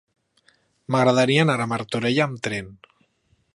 M'agradaria anar a Martorell amb tren.